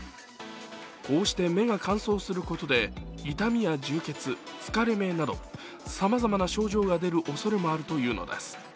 こうして目が乾燥することで痛みや充血、疲れ目などさまざまな症状が出るおそれもあるというのです。